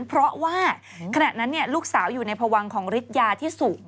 เพราะว่าขณะนั้นลูกสาวอยู่ในพวังของฤทธิยาที่สูง